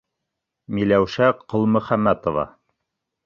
Миләүшә ҠОЛМӨХӘМӘТОВА.